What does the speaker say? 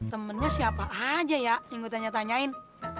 temennya siapa aja ya yang gua tanya tanyain